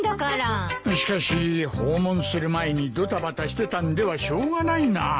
しかし訪問する前にドタバタしてたんではしょうがないなぁ。